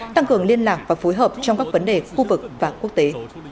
tăng cường liên lạc và phối hợp trong các vấn đề khu vực và quốc tế